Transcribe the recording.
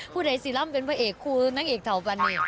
พูดได้สิล่ำเป็นพระเอกครูนางเอกเถาปันนี่